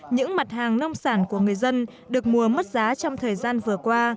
những mặt hàng nông sản của người dân được mua mất giá trong thời gian vừa qua